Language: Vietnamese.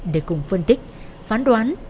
để cùng phân tích phán đoán